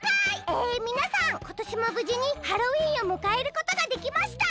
えみなさんことしもぶじにハロウィーンをむかえることができました。